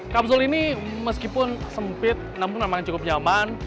kapsul ini meskipun sempit namun memang cukup nyaman